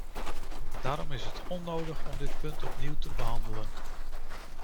Daarom is het onnodig om dit punt opnieuw te behandelen.